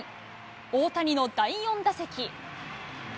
大谷の第４打席。